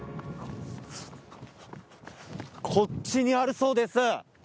こっちにあるそうです。